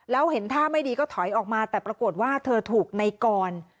แล้วเห็นท่าไม่ดีก็ถอยออกมาแต่ปรากฏว่าเธอถูกในกร